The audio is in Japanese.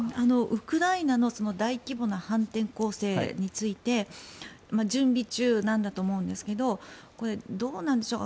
ウクライナの大規模な反転攻勢について準備中なんだと思うんですがどうなんでしょう。